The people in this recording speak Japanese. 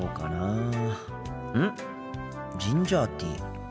ジンジャーティー。